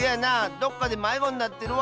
どっかでまいごになってるわ。